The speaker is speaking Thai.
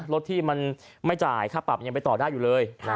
รถที่มันไม่จ่ายค่าปรับยังไปต่อได้อยู่เลย